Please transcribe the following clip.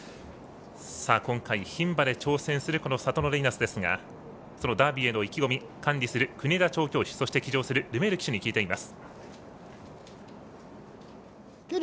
今回、牝馬で挑戦するサトノレイナスですがそのダービーへの意気込み、管理する国枝調教師そして、騎乗するルメール騎手に聞いています。